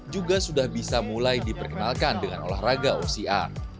juga sudah bisa mulai diperkenalkan dengan olahraga oca